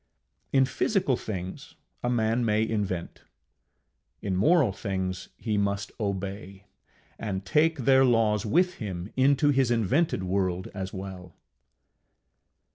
In physical things a man may invent; in moral things he must obey and take their laws with him into his invented world as well.